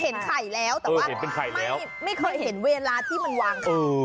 เห็นไข่แล้วแต่ว่าไม่เคยเห็นเวลาที่มันวางไข่